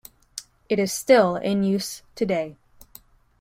It is still in use today.